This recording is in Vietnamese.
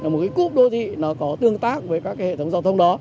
một cái cúp đô thị nó có tương tác với các hệ thống giao thông đó